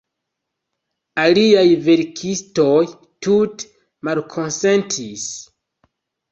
Aliaj verkistoj tute malkonsentis.